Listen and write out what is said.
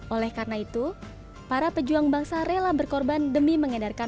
oleh karena itu para pejuang bangsa rela berkorban demi mengedarkan